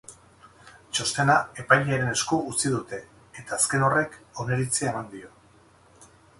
Txostena epailearen esku utzi dute, eta azken horrek oniritzia eman dio.